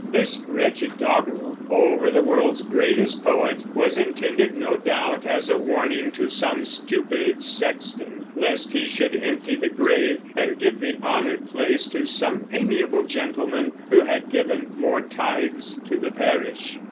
This wretched doggerel, over the world's greatest poet, was intended, no doubt, as a warning to some stupid sexton, lest he should empty the grave and give the honored place to some amiable gentleman who had given more tithes to the parish.